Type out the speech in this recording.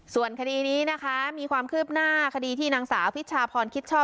ส่วนคดีนี้นะคะมีความคืบหน้าคดีที่นางสาวพิชาพรคิดช่อ